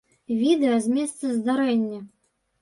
Відэа з месца здарэння.